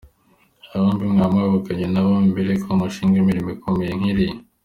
Aba bombi mwaba mwaravuganye na bo, mbere y’uko mubashinga imirimo ikomeye nk’iriya?